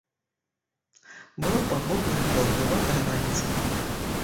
Была пагодная, халаднаватая раніца.